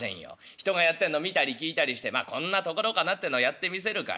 人がやってるのを見たり聞いたりしてまあこんなところかなってのをやってみせるから。